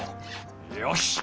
よし！